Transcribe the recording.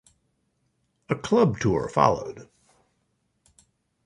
A club tour followed.